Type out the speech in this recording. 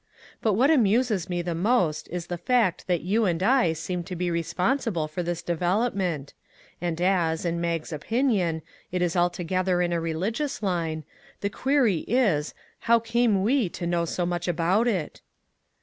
But what amuses me the most is the fact that you and I seem to be responsible for this development; and as, in Mag's opinion, it is altogether in a religious line, the query is, how came we to know so much about it